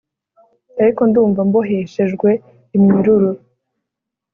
ariko ndumva mboheshejwe iminyururu,